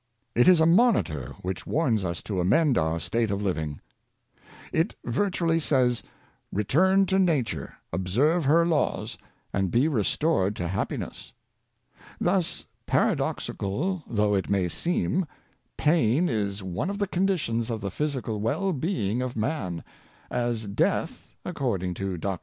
It is a monitor which warns us to amend our state of living. It virtually says, " Return to Nature, observe her laws, and be restored to happiness." Thus, paradoxical though it may seem, pain is one of the conditions of the physical well being of man; as death, according i^> Healthy Existence.